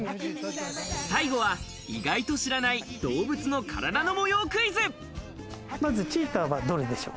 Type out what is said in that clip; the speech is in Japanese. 最後は意外と知らない動物のまずチーターはどれでしょう？